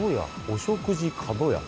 「お食事かどや」。